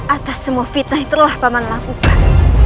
atas semua fitnah yang telah paman lakukan